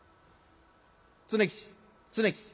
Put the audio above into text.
「常吉常吉。